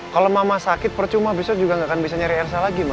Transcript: kalau mama sakit percuma besok juga tidak akan bisa mencari elsa lagi ma